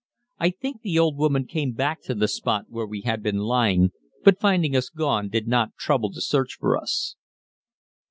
I think the old woman came back to the spot where we had been lying, but finding us gone did not trouble to search for us.